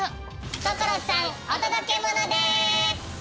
所さんお届けモノです！